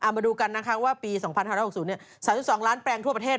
มาดูกันนะคะว่าปี๒๕๖๐๓๒ล้านแปลงทั่วประเทศ